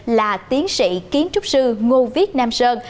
là tiến sĩ kiến trúc sư ngô viết nam sơn